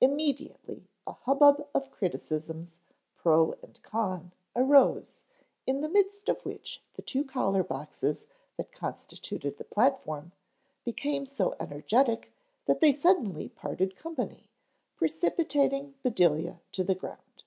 Immediately a hubbub of criticisms, pro and con, arose, in the midst of which the two collar boxes that constituted the platform became so energetic that they suddenly parted company, precipitating Bedelia to the ground.